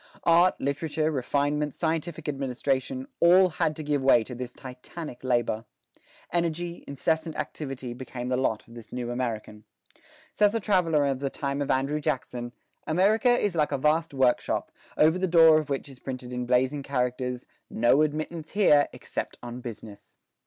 Art, literature, refinement, scientific administration, all had to give way to this Titanic labor. Energy, incessant activity, became the lot of this new American. Says a traveler of the time of Andrew Jackson, "America is like a vast workshop, over the door of which is printed in blazing characters, 'No admittance here, except on business.'"